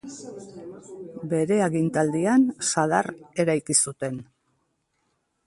Bere agintaldian Sadar eraiki zuten.